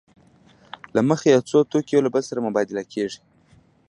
له مخې یې څو توکي یو له بل سره مبادله کېږي